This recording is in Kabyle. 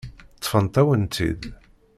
Ṭṭfent-awen-tt-id.